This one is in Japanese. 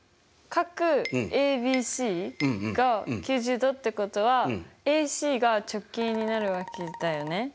角ＡＢＣが９０°ってことはＡＣが直径になるわけだよね。